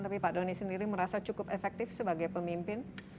tapi pak doni sendiri merasa cukup efektif sebagai pemimpin